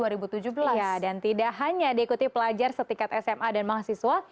tidak hanya diikuti pelajar setingkat sma dan mahasiswa